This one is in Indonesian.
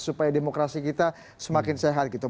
supaya demokrasi kita semakin sehat gitu